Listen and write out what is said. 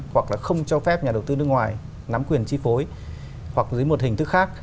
hoặc là không cho phép nhà đầu tư nước ngoài nắm quyền chi phối hoặc dưới một hình thức khác